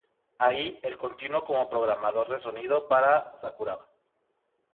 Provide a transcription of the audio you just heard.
Ahí, el continuó como programador de sonido para Sakuraba.